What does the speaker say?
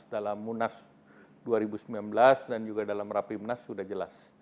dalam munas dua ribu sembilan belas dan juga dalam rapimnas sudah jelas